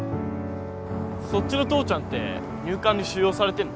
そっちの父ちゃんって入管に収容されてんの？